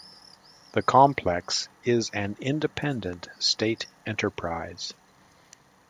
The complex is an independent state enterprise.